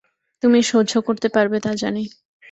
তুমি সহ্য করতে পারবে তা জানি।